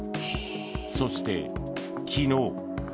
そして昨日。